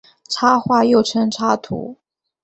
插画又称插图。